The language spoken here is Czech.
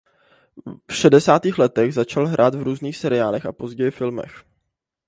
V šedesátých letech začal hrát v různých seriálech a později filmech.